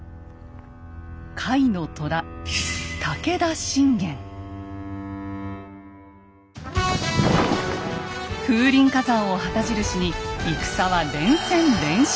甲斐の虎「風林火山」を旗印に戦は連戦連勝。